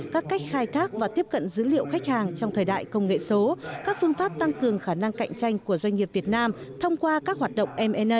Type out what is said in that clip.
các cách khai thác và tiếp cận dữ liệu khách hàng trong thời đại công nghệ số các phương pháp tăng cường khả năng cạnh tranh của doanh nghiệp việt nam thông qua các hoạt động mna